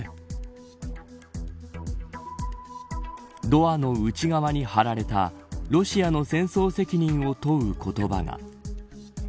ドアの内側に貼られたロシアの戦争責任を問う言葉が。